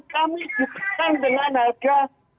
kami diperkan dengan harga